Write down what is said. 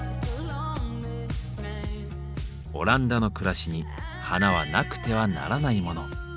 オランダの暮らしに花はなくてはならないモノ。